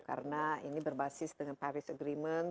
karena ini berbasis dengan paris agreement